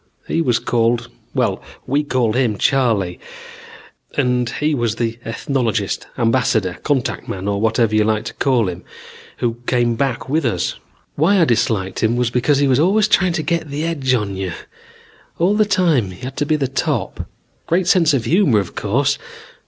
He was called well, we called him Charley, and he was the ethnologist, ambassador, contact man, or whatever you like to call him, who came back with us. Why I disliked him was because he was always trying to get the edge on you. All the time he had to be top. Great sense of humor, of course.